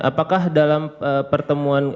apakah dalam pertemuan